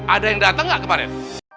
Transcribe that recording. ada yang datang nggak kemarin